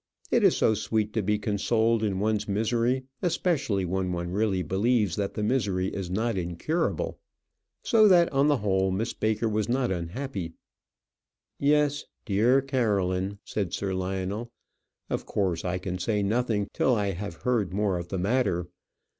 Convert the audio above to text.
It is so sweet to be consoled in one's misery, especially when one really believes that the misery is not incurable. So that on the whole Miss Baker was not unhappy. "Yes, dear Caroline," said Sir Lionel; "of course I can say nothing till I have heard more of the matter.